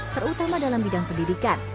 terutama dalam bidang pendidikan